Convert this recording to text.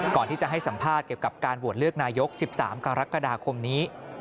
ก่อนที่จะให้สัมภาษณ์เกี่ยวกับการโหวตเลือกนายก๑๓กรกฎาคมนี้